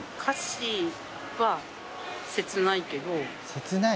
「切ない？」